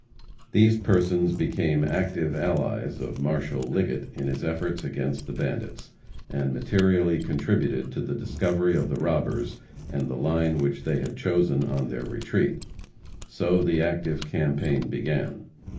These persons became active allies of Marshal Liggett in his efforts against the bandits, and materially contributed to the discovery of the robbers and the line which they had chosen on their retreat. So the active campaign began.